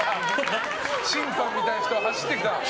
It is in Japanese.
審判みたいな人走ってきた。